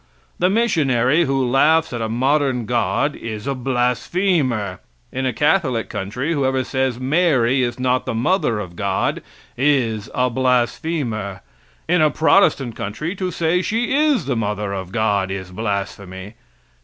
The missionary who laughs at a modern God is a blasphemer. In a Catholic country whoever says Mary is not the mother of God is a blasphemer. In a Protestant country to say she is the mother of God is blasphemy.